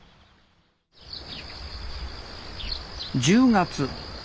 １０月。